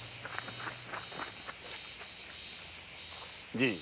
じい。